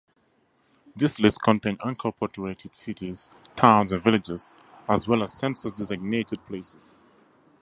This list contains incorporated cities, towns, and villages, as well as census-designated places.